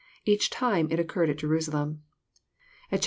Each time it occarred at Jerusalem. At chap.